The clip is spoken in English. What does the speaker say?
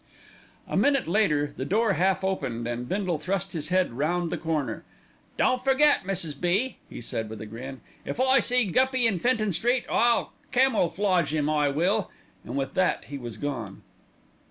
A minute later the door half opened and Bindle thrust his head round the corner. "Don't forget, Mrs. B.," he said with a grin, "if I see Guppy in Fenton Street, I'll camelflage 'im, I will;" and with that he was gone.